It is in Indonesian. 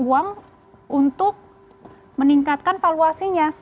uang untuk meningkatkan valuasinya